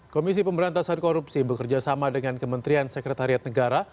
komisi pemberantasan korupsi bekerjasama dengan kementerian sekretariat negara